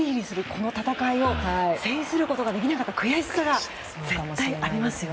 この戦いを制することができなかった悔しさが絶対ありますよね。